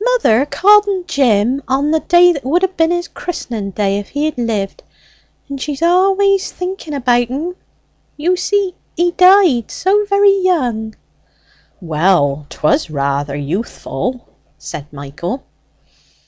Mother called en Jim on the day that would ha' been his christening day if he had lived; and she's always thinking about en. You see he died so very young." "Well, 'twas rather youthful," said Michael.